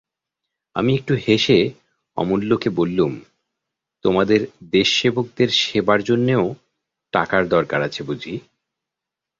আমি একটু হেসে অমূল্যকে বললুম, তোমাদের দেশসেবকদের সেবার জন্যেও টাকার দরকার আছে বুঝি?